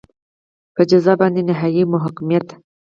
په جزا باندې نهایي محکومیت.